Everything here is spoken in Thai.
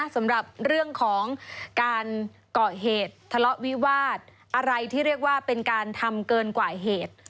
สำหรับเรื่องของการเกาะเหตุทะเลาะวิวาสอะไรที่เรียกว่าเป็นการทำเกินกว่าเหตุ